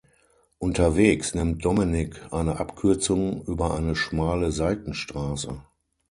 Unterwegs nimmt Dominik eine Abkürzung über eine schmale Seitenstraße.